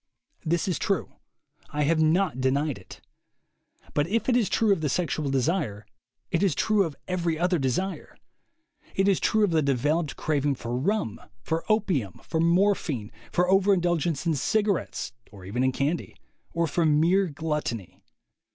This is true. I have not denied it. But if it is true of the sexual desire, it is true of every other desire. It is true of the developed craving for rum, for opium, for morphine, for overindulgence in cig arettes or even in candy, or for mere gluttony.